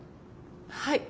はい。